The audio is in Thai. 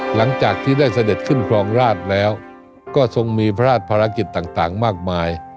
หลังจากที่ได้เสด็จขึ้นครองราชแล้วก็ทรงมีพระราชภารกิจต่างมากมาย